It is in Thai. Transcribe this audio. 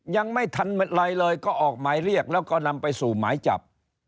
ยังไม่ทันไรเลยก็ออกหมายเรียกแล้วก็นำไปสู่หมายจับ